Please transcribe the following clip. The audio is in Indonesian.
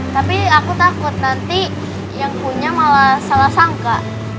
tapi aku takut nanti yang punya malah salah sangka